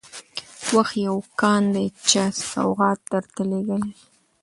وخت يو كان دى چا سوغات درته لېږلى